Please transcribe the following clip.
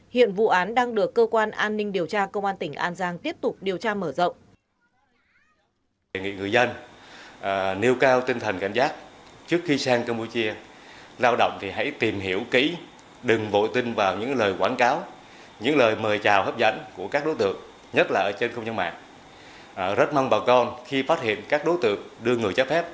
hiện vụ án đang được cơ quan an ninh điều tra công an tỉnh an giang tiếp tục điều tra mở rộng